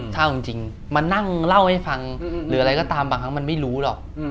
เช่าจริงมานั่งเล่าให้ฟังหรืออะไรก็ตามบางครั้งมันไม่รู้หรอก